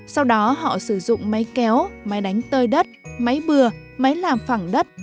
sau đó họ sử dụng máy kéo máy đánh tơi đất máy bừa máy làm phẳng đất